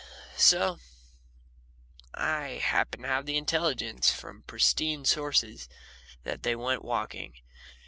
So I happened to have intelligence from pristine sources that they went walking.